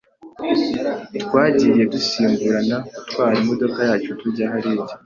Twagiye dusimburana gutwara imodoka yacu tujya hariya.